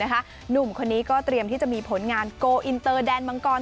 หนุ่มคนนี้ก็เตรียมที่จะมีผลงานโกอินเตอร์แดนมังกร